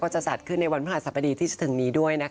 จะจัดขึ้นในวันพระหัสบดีที่จะถึงนี้ด้วยนะคะ